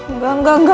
enggak enggak enggak